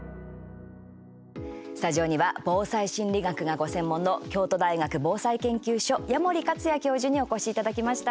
スタジオには防災心理学がご専門の京都大学防災研究所矢守克也教授にお越しいただきました。